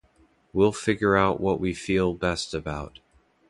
We'll figure out what we feel best about.